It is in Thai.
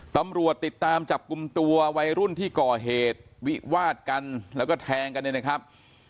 ตำรวจติดตามจับกลุ่มตัววัยรุ่นที่ก่อเหตุวิวาดกันแล้วก็แทงกันเนี่ยนะครับ